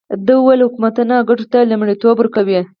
ده وویل حکومتونه ګټو ته لومړیتوب ورکوي.